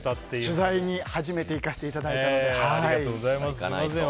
取材に初めて行かせていただいたので。